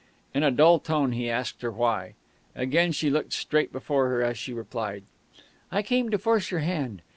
In a dull tone he asked her why. Again she looked straight before her as she replied: "I came to force your hand.